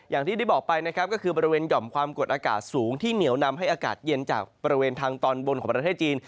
อย่างที่ได้บอกไปนะครับก็คือบริเวณหย่อมความกดอากาศสูงที่เหนียวนำให้อากาศเย็นจากบริเวณทางตอนบนของประเทศจีน